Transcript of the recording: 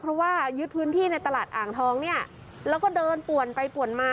เพราะว่ายึดพื้นที่ในตลาดอ่างทองเนี่ยแล้วก็เดินป่วนไปป่วนมา